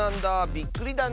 びっくりだねえ。